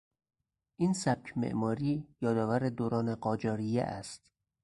این سبک معماری یادآور دوران قاجاریه است.